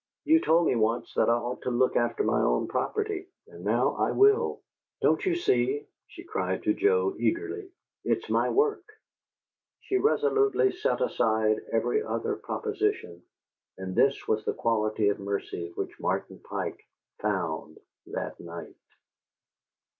"You told me once that I ought to look after my own property, and now I will. Don't you see?" she cried to Joe, eagerly. "It's my work!" She resolutely set aside every other proposition; and this was the quality of mercy which Martin Pike found that night.